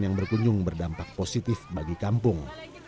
yang berkunjung berdampak positif bagi kampung